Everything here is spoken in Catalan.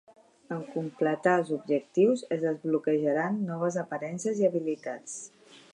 En completar els objectius, es desbloquejaran noves aparences i habilitats.